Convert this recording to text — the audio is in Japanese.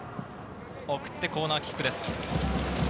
送ってコーナーキックです。